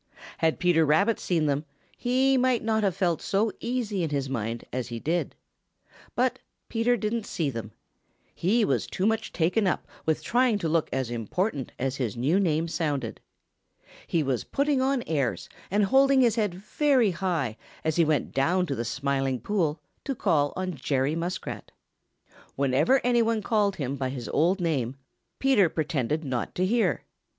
Had Peter Rabbit seen them, he might not have felt so easy in his mind as he did. But Peter didn't see them. He was too much taken up with trying to look as important as his new name sounded. He was putting on airs and holding his head very high as he went down to the Smiling Pool to call on Jeny Muskrat. Whenever any one called him by his old name, Peter pretended not to hear.